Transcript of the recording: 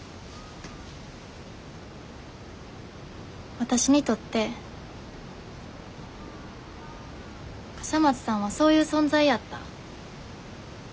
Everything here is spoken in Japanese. わたしにとって笠松さんはそういう存在やった。